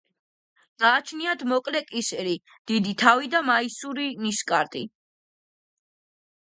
გააჩნიათ მოკლე კისერი, დიდი თავი და მასიური ნისკარტი.